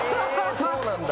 そうなんだ。